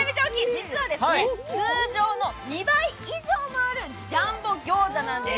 実は通常の２倍以上もあるジャンボ餃子なんです。